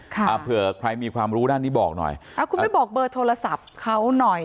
อ่าเผื่อใครมีความรู้ด้านนี้บอกหน่อยอ่าคุณไปบอกเบอร์โทรศัพท์เขาหน่อย